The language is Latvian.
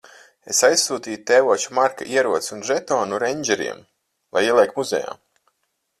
Es aizsūtīju tēvoča Marka ieroci un žetonu reindžeriem - lai ieliek muzejā.